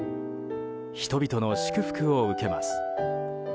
人々の祝福を受けます。